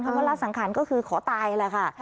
ว่าละสังขารก็คือขอตายแหละค่ะ